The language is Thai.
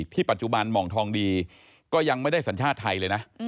ปัจจุบันหม่องทองดีก็ยังไม่ได้สัญชาติไทยเลยนะ